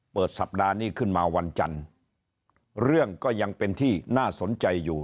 สัปดาห์นี้ขึ้นมาวันจันทร์เรื่องก็ยังเป็นที่น่าสนใจอยู่